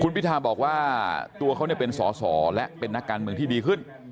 พิธาบอกว่าตัวเขาเป็นสอสอและเป็นนักการเมืองที่ดีขึ้น